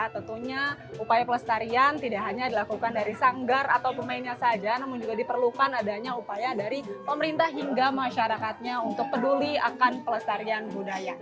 tentunya upaya pelestarian tidak hanya dilakukan dari sanggar atau pemainnya saja namun juga diperlukan adanya upaya dari pemerintah hingga masyarakatnya untuk peduli akan pelestarian budaya